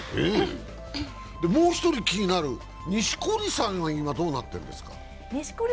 もう一人気になる錦織さんは今、どうなっているんですか？